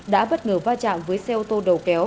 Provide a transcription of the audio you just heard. đã bất ngờ va chạm với xe ô tô đầu kéo